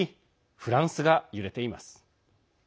フランスが揺れています。